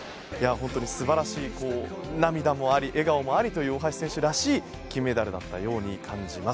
本当に素晴らしい涙もあり、笑顔もありという大橋選手らしい金メダルだったように感じます。